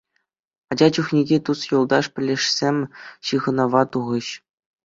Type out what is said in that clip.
Ача чухнехи тус-юлташ, пӗлӗшсем ҫыхӑнӑва тухӗҫ.